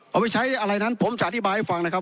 เอาไปใช้อะไรนั้นผมจะอธิบายให้ฟังนะครับ